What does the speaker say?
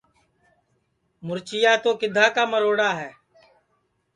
مُرچیا تو کِدھا کا مروڑا ہے